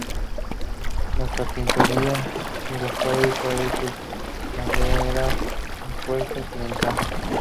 La carpintería de la fábrica es de madera en puertas y ventanas.